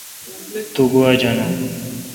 تو گوا جانون۔